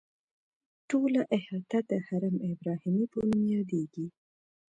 ټوله احاطه د حرم ابراهیمي په نوم یادیږي.